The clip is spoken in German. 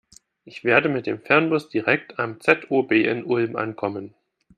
Ich werde mit dem Fernbus direkt am ZOB in Ulm ankommen.